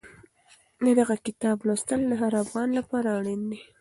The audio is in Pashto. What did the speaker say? د دغه کتاب لوستل د هر افغان لپاره اړین دي.